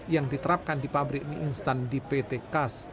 yang diterapkan di pabrik mie instan di pt kas